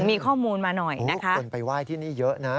มีข้อมูลมาหน่อยนะคะคนไปไหว้ที่นี่เยอะนะ